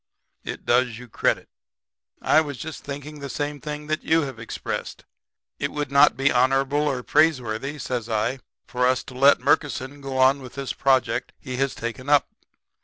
It does you credit. I was just thinking the same thing that you have expressed. It would not be honorable or praiseworthy,' says I, 'for us to let Murkison go on with this project he has taken up.